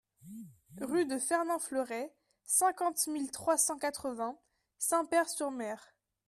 Rue de Fernand Fleuret, cinquante mille trois cent quatre-vingts Saint-Pair-sur-Mer